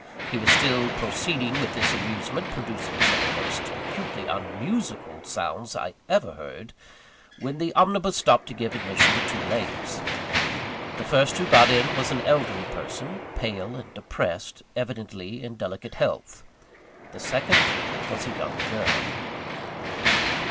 He was still proceeding with this amusement producing some of the most acutely unmusical sounds I ever heard when the omnibus stopped to give admission to two ladies. The first who got in was an elderly person pale and depressed evidently in delicate health. The second was a young girl.